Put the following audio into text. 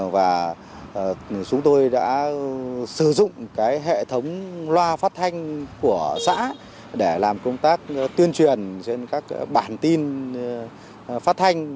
và chúng tôi đã sử dụng hệ thống loa phát thanh của xã để làm công tác tuyên truyền trên các bản tin phát thanh